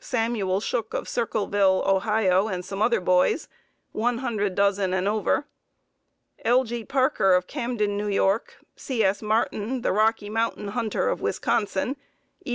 Samuel Schook of Circleville, Ohio, and some other boys, 100 dozen and over. L. G. Parker of Camden, N. Y., C. S. Martin, the Rocky Mountain hunter of Wisconsin, E.